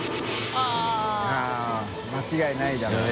△繊あぁ間違いないだろうね。